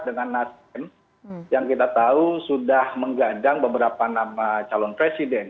dengan nasdem yang kita tahu sudah menggadang beberapa nama calon presiden